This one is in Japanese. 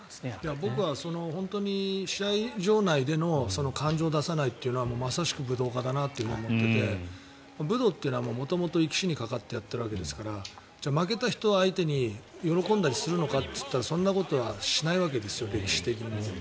僕は試合場内で感情を出さないというのはまさしく武闘家だなと思っていて武闘って元々生死にかかってやっているわけですからじゃあ負けた人相手に喜んだりするのかというとそんなことはしないわけです歴史的に。